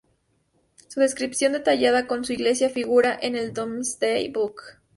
Su descripción detallada con su iglesia, figura en el Domesday Book.